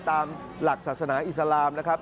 ตามหลักศาสนาอิสลามนะครับ